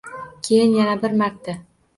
Keyin yana bir marta.